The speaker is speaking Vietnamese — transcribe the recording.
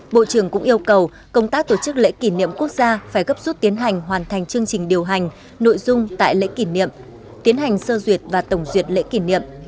bộ trưởng cũng yêu cầu công tác tổ chức lễ kỷ niệm quốc gia phải gấp rút tiến hành hoàn thành chương trình điều hành nội dung tại lễ kỷ niệm tiến hành sơ duyệt và tổng duyệt lễ kỷ niệm